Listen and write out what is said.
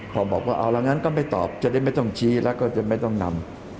พอบอกว่าเอาละงั้นก็ไม่ตอบจะได้ไม่ต้องชี้แล้วก็จะไม่ต้องนำ